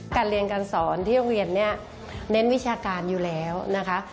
การเรียนการสอนที่โรงเรียนเนี่ยเน้นวิชาการอยู่แล้วนะคะ